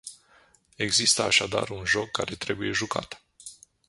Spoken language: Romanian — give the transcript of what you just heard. Există așadar un joc care trebuie jucat.